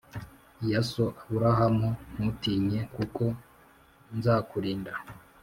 ya so Aburahamu Ntutinye kuko nzakurinda